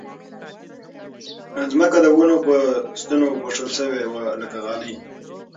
ځمکه د ونو په ستنو پوښل شوې وه لکه غالۍ